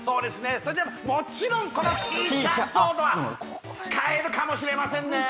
それでもちろんこのティーチャーズソードは使えるかもしれませんね